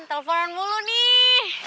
teleponan mulu nih